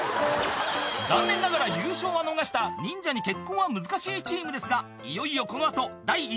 ［残念ながら優勝は逃した忍者に結婚は難しいチームですがいよいよこの後第１話がスタート］